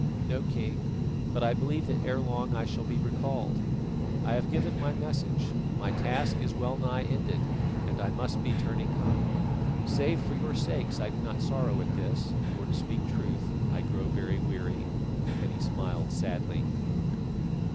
"No, King, but I believe that ere long I shall be recalled. I have given my message, my task is well nigh ended and I must be turning home. Save for your sakes I do not sorrow at this, for to speak truth I grow very weary," and he smiled sadly.